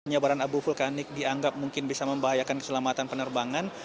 penyebaran abu vulkanik dianggap mungkin bisa membahayakan keselamatan penerbangan